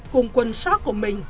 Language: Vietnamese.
cùng quần shock của mình